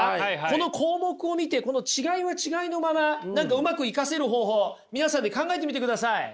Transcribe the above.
この項目を見てこの違いは違いのまま何かうまく生かせる方法皆さんで考えてみてください。